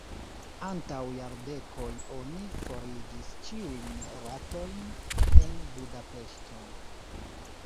Antaŭ jardekoj oni forigis ĉiujn ratojn en Budapeŝto.